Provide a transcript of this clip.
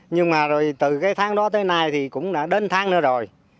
nhưng mà rồi từ cái tháng đó tới nay thì cũng đã đến tháng nữa rồi